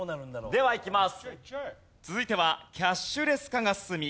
ではいきます。